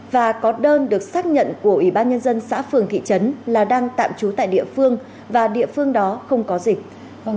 và có đơn được xác nhận của ủy ban nhân dân xã phường thị trấn là đang tạm trú tại địa phương và địa phương đó không có dịch